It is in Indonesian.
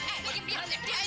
anggur gini buah